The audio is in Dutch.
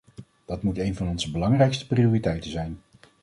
Dat moet een van onze belangrijkste prioriteiten zijn.